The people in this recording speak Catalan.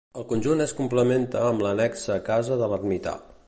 El conjunt es complementa amb l'annexa casa de l'ermità.